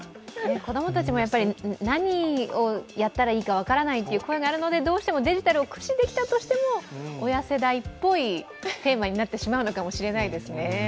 子供たちも何をやったらいいか分からないという声があるのでどうしてもデジタルを駆使できたとしても、親世代っぽいテーマになってしまうのかもしれないですね。